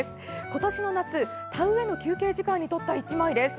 今年の夏田植えの休憩時間に撮った１枚です。